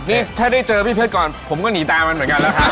นี่ถ้าได้เจอพี่เพชรก่อนผมก็หนีตามมันเหมือนกันแล้วครับ